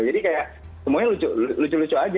jadi kayak semuanya lucu lucu aja